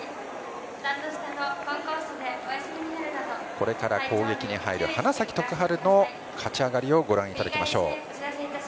これから攻撃に入る花咲徳栄の勝ち上がりをご覧いただきましょう。